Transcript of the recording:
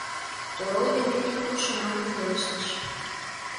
Орол дене ик-кок шомакым пелештыш.